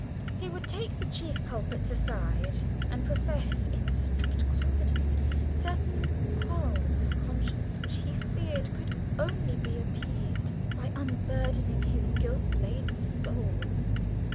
He would take the chief culprits aside, and profess, in strict confidence, certain qualms of conscience which he feared could only be appeased by unburdening his guilt laden soul.